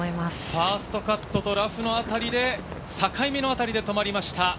ファーストカットとラフの境目辺りで止まりました。